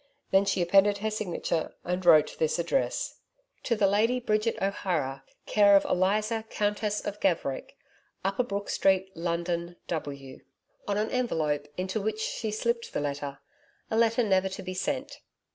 The she appended her signature and wrote this address: To the Lady Bridget O'Hara, Care of Eliza Countess of Gaverick, Upper Brook Street, London, W. on an envelope, into which she slipped her letter a letter never to be sent.